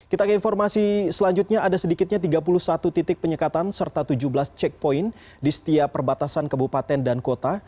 kita ke informasi selanjutnya ada sedikitnya tiga puluh satu titik penyekatan serta tujuh belas checkpoint di setiap perbatasan kebupaten dan kota